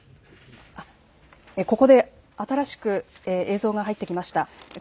ここで新しく映像が入ってきました。